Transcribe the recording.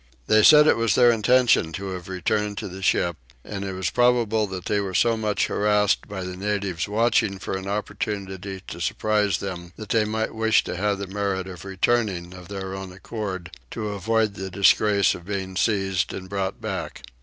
They said it was their intention to have returned to the ship; and it is probable that they were so much harassed by the natives watching for an opportunity to surprise them that they might wish to have the merit of returning of their own accord, to avoid the disgrace of being seized and brought back.